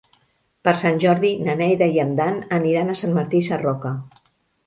Per Sant Jordi na Neida i en Dan aniran a Sant Martí Sarroca.